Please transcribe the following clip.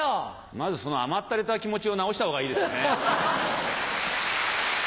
まずその甘ったれた気持ちを直した方がいいですね。